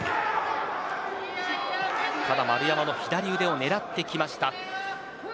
丸山の左腕を狙ってきました。